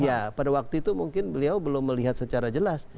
ya pada waktu itu mungkin beliau belum melihat secara jelas